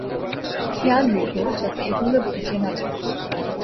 খেয়াল রেখো যাতে এগুলো ভিজে না যায়।